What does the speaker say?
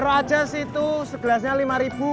taruh aja situ segelasnya lima ribu